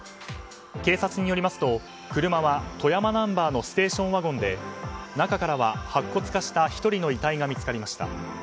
警察によりますと車は富山ナンバーのステーションワゴンで中からは、白骨化した１人の遺体が見つかりました。